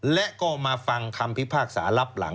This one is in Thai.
และก็มาฟังคำพิพากษารับหลัง